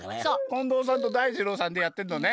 近藤さんと大二郎さんでやってんのね。